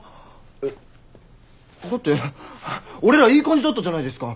えだって俺らいい感じだったじゃないですか。